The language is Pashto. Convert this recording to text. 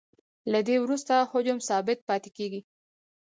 له دې وروسته حجم ثابت پاتې کیږي